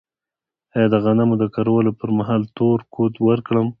آیا د غنمو د کرلو پر مهال تور کود ورکړم؟